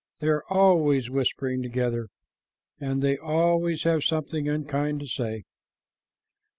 They are always whispering together, and they always have something unkind to say."